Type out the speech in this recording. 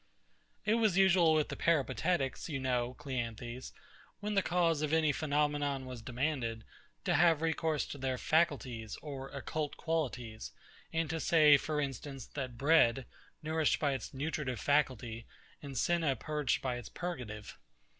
It was usual with the PERIPATETICS, you know, CLEANTHES, when the cause of any phenomenon was demanded, to have recourse to their faculties or occult qualities; and to say, for instance, that bread nourished by its nutritive faculty, and senna purged by its purgative.